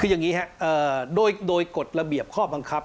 คือยังงี้โดยกฎระเบียบข้อบังคับ